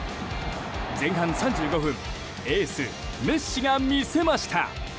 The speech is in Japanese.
前半３５分エース、メッシが見せました。